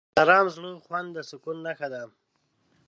د آرام زړه خوند د سکون نښه ده.